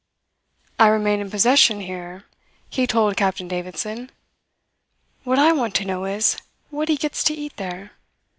'I remain in possession here,' he told Captain Davidson. What I want to know is what he gets to eat there.